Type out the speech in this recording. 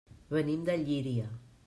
Venim de Llíria.